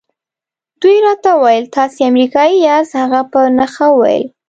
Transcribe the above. دوی راته وویل تاسي امریکایی یاست. هغه په نښه وویل.